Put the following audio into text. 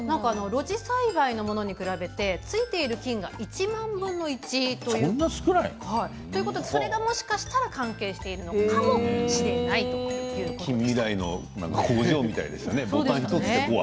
露地栽培のものに比べてついている菌が１万分の１それがもしかしたら関係しているのかもしれない近未来の工場みたいですよね。